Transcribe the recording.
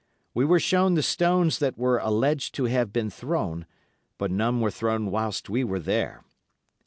We were shown the stones that were alleged to have been thrown, but none were thrown whilst we were there.